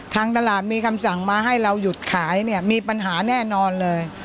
ทางตลาดมีคำสั่งมาให้เราหยุดขายเนี่ยมีปัญหาแน่นอนเลย